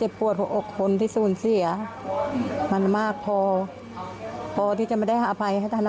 เหนื่องเกียวเน่าสัญจัดมากแหละ